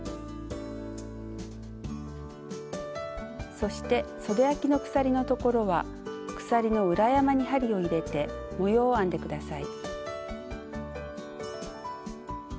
そしてそであきの鎖のところは鎖の裏山に針を入れて模様を編んでください。